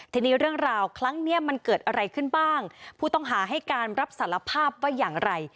ทีนี้เรื่องราวครั้งเนี้ยมันเกิดอะไรขึ้นบ้างผู้ต้องหาให้การรับสารภาพว่าอย่างไร